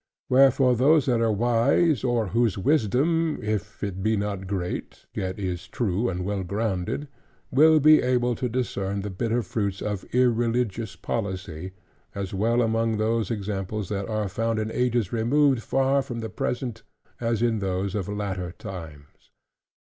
Wherefor those that are wise, or whose wisdom if it be not great, yet is true and well grounded, will be able to discern the bitter fruits of irreligious policy, as well among those examples that are found in ages removed far from the present, as in those of latter times.